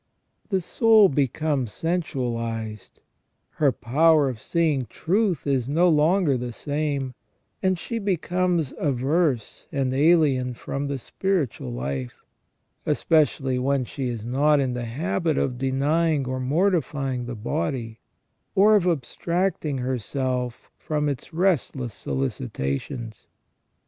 The soul becomes sensualised ; her power of seeing truth is no longer the same, and she becomes averse and alien from the spiritual life, especially when she is not in the habit of denying or mortifying the body, or of abstracting herself from its restless solicitations.